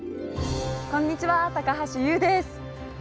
こんにちは高橋ユウです。